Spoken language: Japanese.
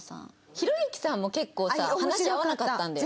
ひろゆきさんも結構さ話合わなかったんだよね。